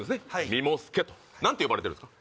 「みもすけ」と何て呼ばれてるんですか？